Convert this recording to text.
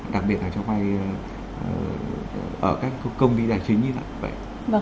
đặc biệt là cho vai ở các công ty đài chính như vậy